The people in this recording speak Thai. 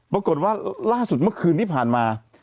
ปรากฏว่าล่าสุดเมื่อคืนที่ผ่านมา